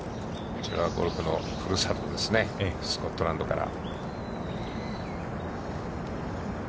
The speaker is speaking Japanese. こちらはゴルフのふるさとですね、スコットランドから。